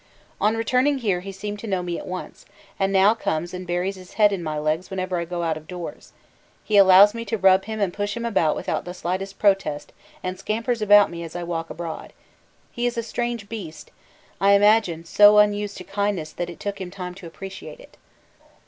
On returning here he seemed to know me at once, and now comes and buries his head in my legs whenever I go out of doors; he allows me to rub him and push him about without the slightest protest and scampers about me as I walk abroad. He is a strange beast I imagine so unused to kindness that it took him time to appreciate it.